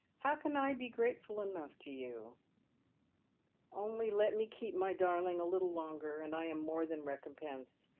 How can I be grateful enough to you ?"" Only let me keep my darling a little longer, and I am more than recompensed.